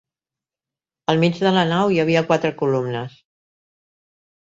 Al mig de la nau hi havia quatre columnes.